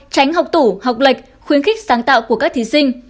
tránh học tủ học lệch khuyến khích sáng tạo của các thí sinh